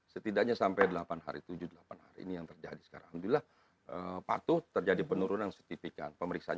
setidaknya sampai delapan hari tujuh delapan ini yang terjadi alhamdulillah patut terjadi penurunan yang